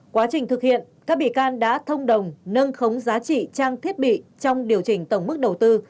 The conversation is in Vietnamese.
quá trình thực hiện các bị can đã thông đồng nâng khống giá trị trang thiết bị trong điều chỉnh tổng mức đầu tư